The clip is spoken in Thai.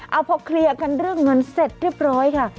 เอาพอเคลียร์กันเรื่องเงินเสร็จเรียบร้อยค่ะ